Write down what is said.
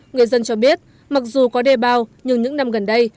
người dân cho biết mặc dù có đê bao nhưng những năm gần đây